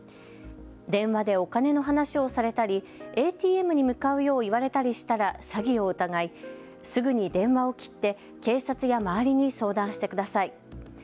電話でお金の話をされたりＡＴＭに向かうよう言われたりしたら詐欺を疑いすぐに電話を切って警察や周りに相談してください。